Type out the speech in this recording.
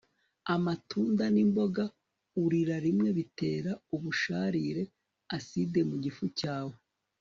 Amatunda nimboga urira rimwe bitera ubusharire aside mu gifu cyawe